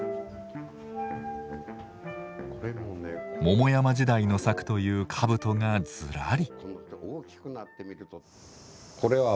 桃山時代の作というかぶとがずらり。